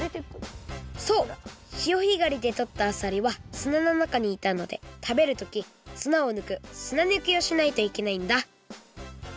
そうしおひがりでとったあさりは砂のなかにいたのでたべるとき砂をぬく砂ぬきをしないといけないんだ